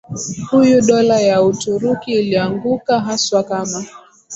huyu Dola ya Uturuki ilianguka haswa kama